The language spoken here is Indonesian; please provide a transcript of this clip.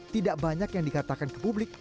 tidak banyak yang dikatakan ke publik